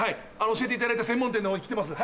教えていただいた専門店の方に来てます。